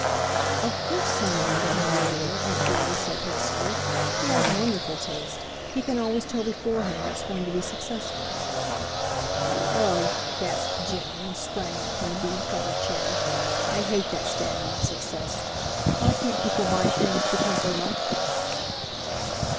"Of course Soames is a connoisseur," Aunt Juley said hastily; "he has wonderful taste—he can always tell beforehand what's going to be successful." "Oh!" gasped June, and sprang up from the bead covered chair, "I hate that standard of success. Why can't people buy things because they like them?"